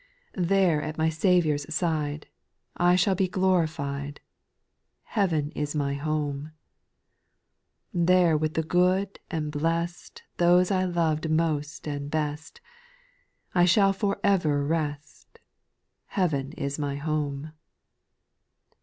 3. There at my Saviour's side, I shall be glorified, Heaven is my home. There with the good and blest Those I loved most and best, I shall for ever rest ; Heaven is my home.